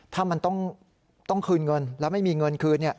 ถ้ามันต้องคืนเงินแล้วไม่มีเงินคืน